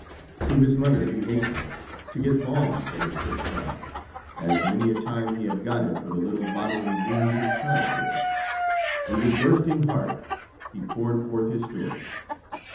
To his mother he hastened, to get balm for his hurt pride, as many a time he had got it for the little bodily wounds of childhood, and with bursting heart he poured forth his story.